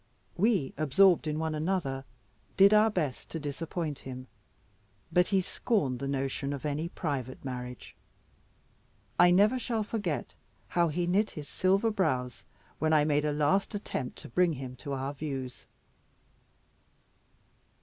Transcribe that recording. We, absorbed in one another, did our best to disappoint him; but he scorned the notion of any private marriage. I never shall forget how he knit his silver brows when I made a last attempt to bring him to our views.